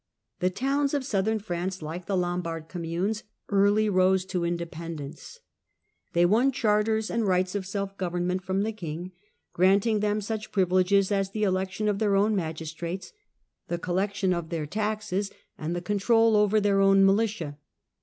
The towns of southern France, like the Lombard communes, early rose to independence. They won charters and rights of self government from the king, granting them such privileges as the election of their magistrates, the collec tion of their taxes, or the control over their militia.